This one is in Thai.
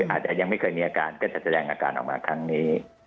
อาจจะยังไม่เคยมีอาการก็จะแสดงอาการออกมาครั้งนี้